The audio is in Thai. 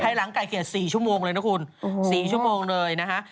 หลังไก่เกลียด๔ชั่วโมงเลยนะคุณ๔ชั่วโมงเลยนะฮะ